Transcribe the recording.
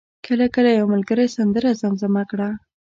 کله کله یو ملګری سندره زمزمه کړه.